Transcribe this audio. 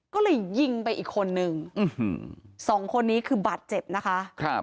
ก็เลยยิงไปอีกคนนึงสองคนนี้คือบาดเจ็บนะคะ